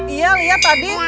iya lihat tadi